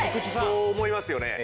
そう思いますよね。